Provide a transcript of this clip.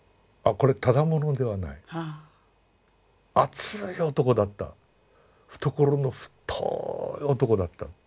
これただ者ではない熱い男だった懐の太い男だった。